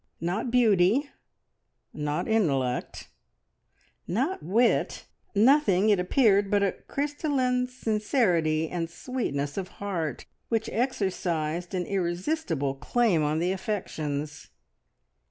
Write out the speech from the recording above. Not beauty, not intellect, not wit nothing, it appeared, but a crystalline sincerity and sweetness of heart, which exercised an irresistible claim on the affections.